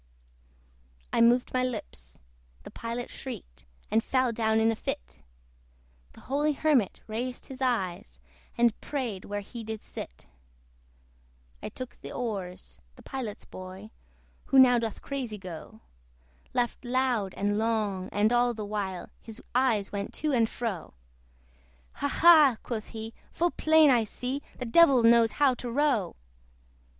I moved my lips the Pilot shrieked And fell down in a fit; The holy Hermit raised his eyes, And prayed where he did sit. I took the oars: the Pilot's boy, Who now doth crazy go, Laughed loud and long, and all the while His eyes went to and fro. "Ha! ha!" quoth he, "full plain I see, The Devil knows how to row."